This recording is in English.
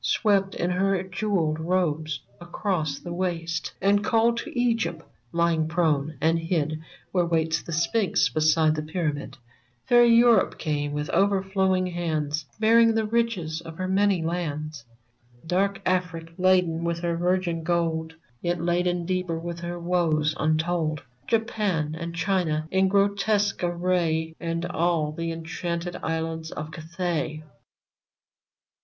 Swept in her jewelled robes across the waste, And called to Egypt lying prone and hid Where waits the Sphinx beside the pyramid ; Fair Europe came with overflowing hands, Bearing the riches of her many lands ; Dark Afric, laden with her virgin gold, Yet laden deeper with her woes untold ; Japan and China in grotesque array. And all the enchanted islands of Cathay